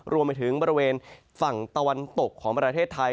รวมไปถึงบริเวณฝั่งตะวันตกของประเทศไทย